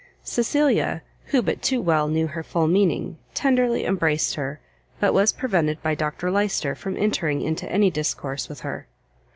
Cecilia, who but too well knew her full meaning, tenderly embraced her, but was prevented by Dr Lyster from entering into any discourse with her.